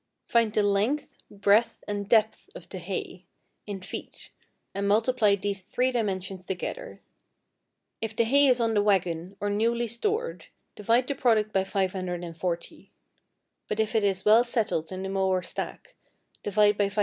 = Find the length, breadth, and depth of the hay, in feet, and multiply these three dimensions together; if the hay is on the wagon or newly stored, divide the product by 540; but if it is well settled in the mow or stack, divide by 512.